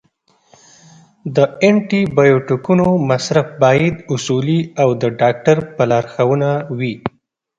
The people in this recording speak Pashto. د انټي بیوټیکونو مصرف باید اصولي او د ډاکټر په لارښوونه وي.